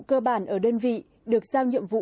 cơ bản ở đơn vị được giao nhiệm vụ